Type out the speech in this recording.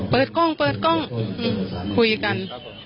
เปิดกล้องคุยกัน